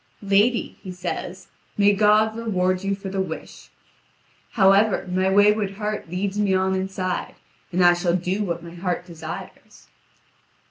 "Lady," he says, "may God reward you for the wish. However, my wayward heart leads me on inside, and I shall do what my heart desires."